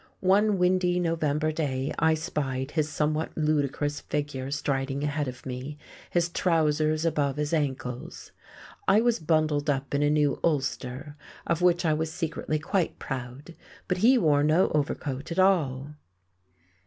One windy November day I spied his somewhat ludicrous figure striding ahead of me, his trousers above his ankles. I was bundled up in a new ulster, of which I was secretly quite proud, but he wore no overcoat at all.